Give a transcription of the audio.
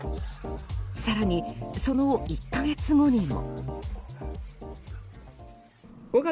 更に、その１か月後にも。